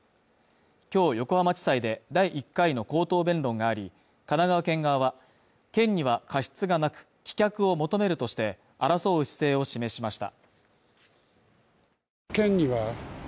今日横浜地裁で第１回の口頭弁論があり、神奈川県側は、県には過失がなく棄却を求めるとして、争う姿勢を示しました。